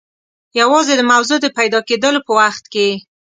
یوازې د موضوع د پیدا کېدلو په وخت کې.